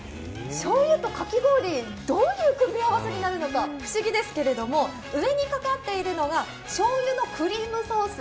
醤油とかき氷、どういう組み合わせになるのか不思議ですけど上にかかっているのが醤油のクリームソース。